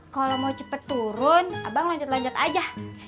kalau mau cepat turun abang lanjut lanjut aja